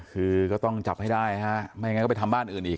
คือก็ต้องจับให้ได้ฮะไม่งั้นก็ไปทำบ้านอื่นอีก